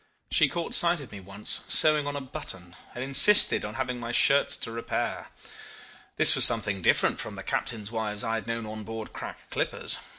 She caught sight of me once, sewing on a button, and insisted on having my shirts to repair. This was something different from the captains' wives I had known on board crack clippers.